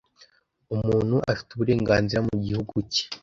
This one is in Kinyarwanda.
umuntu afite uburenganzira mu gihugu cye.